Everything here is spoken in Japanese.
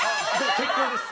結構です。